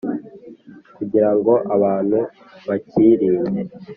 kugira ngo abantubakirinde.